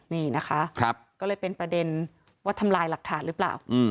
นี่นะคะก็เลยเป็นประเด็นว่าทำลายหลักฐานหรือเปล่า